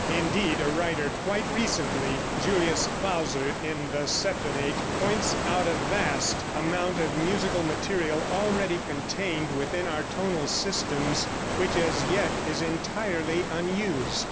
Indeed, a writer quite recently (Julius Klauser, in "The Septonnate") points out a vast amount of musical material already contained within our tonal systems which as yet is entirely unused.